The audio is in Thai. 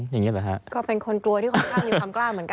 ก็เป็นคนกลัวที่ค่อนข้างมีความกล้ามเหมือนกัน